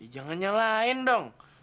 jangan nyalain dong